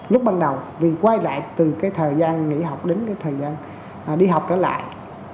lúc ban đầu vì quay lại từ cái thời gian nghỉ học đến cái thời gian đi học trở lại